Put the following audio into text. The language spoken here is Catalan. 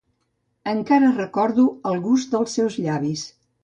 Encara recordo el gust dels seus llavis